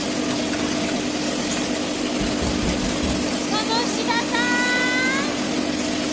鴨志田さーん！